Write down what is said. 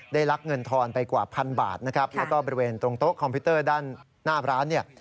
ลักเงินทอนไปกว่าพันบาทนะครับแล้วก็บริเวณตรงโต๊ะคอมพิวเตอร์ด้านหน้าร้านเนี่ย